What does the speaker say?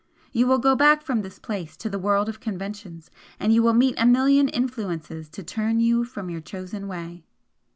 You will go back from this place to the world of conventions, and you will meet a million influences to turn you from your chosen way.